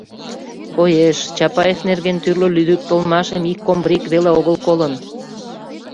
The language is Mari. Коеш, Чапаев нерген тӱрлӧ лӱдыктылмашым ик комбриг веле огыл колын..